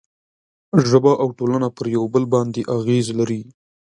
ژبه او ټولنه پر یو بل باندې اغېز لري.